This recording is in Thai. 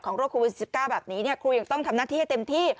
โรคโควิด๑๙แบบนี้ครูยังต้องทำหน้าที่ให้เต็มที่